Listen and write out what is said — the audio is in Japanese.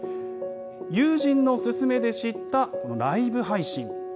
友人の勧めで知った、ライブ配信。